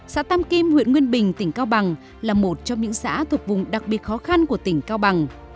xã tam kim huyện nguyên bình tỉnh cao bằng là một trong những xã thuộc vùng đặc biệt khó khăn của tỉnh cao bằng